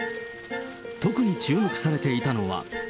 特に注目されていたのは。